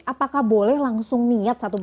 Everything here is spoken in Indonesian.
apakah boleh langsung niat satu dua